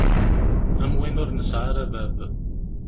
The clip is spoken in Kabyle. Am win ur nesɛi ara bab.